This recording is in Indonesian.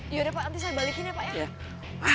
yaudah pak nanti saya balikin ya pak ya